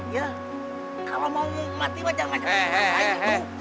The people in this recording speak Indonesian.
iya kalau mau mati macam macam jangan lagi